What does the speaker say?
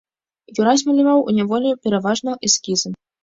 Юрась маляваў у няволі пераважна эскізы.